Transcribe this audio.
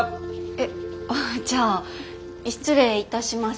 えっ？じゃあ失礼いたします。